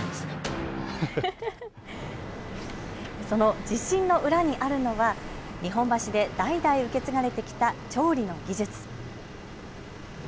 その自信の裏にあるのは日本橋で代々受け継がれてきた調理の技術。